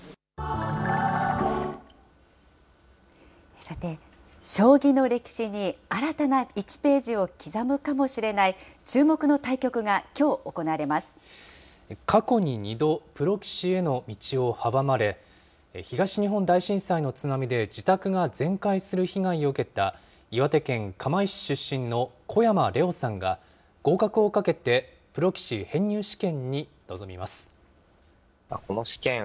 さて、将棋の歴史に新たな１ページを刻むかもしれない注目の対局がきょ過去に２度、プロ棋士への道を阻まれ、東日本大震災の津波で自宅が全壊する被害を受けた、岩手県釜石市出身の小山怜央さんが合格をかけてプロ棋士編入試験